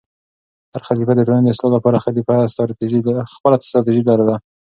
هر خلیفه د ټولنې د اصلاح لپاره خپله ستراتیژي لرله.